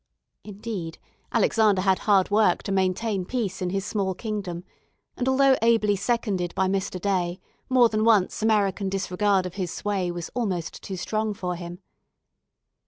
Indeed, Alexander had hard work to maintain peace in his small kingdom; and although ably seconded by Mr. Day, more than once American disregard of his sway was almost too strong for him.